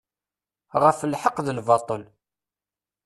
Ɣef lḥeq d lbaṭṭel.